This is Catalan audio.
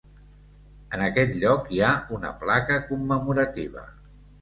En aquest lloc hi ha una placa commemorativa.